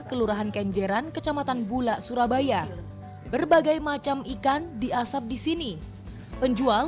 kelurahan kenjeran kecamatan bulak surabaya berbagai macam ikan diasap di sini penjual